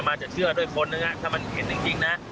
มาจะเชื่อคนไหนถ้ามันเห็นจริงนะ